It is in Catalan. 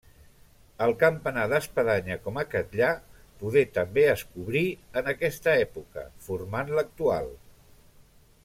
El campanar d'espadanya com a Catllar, poder també es cobrí en aquesta època, formant l'actual.